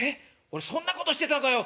俺そんなことしてたのかよ。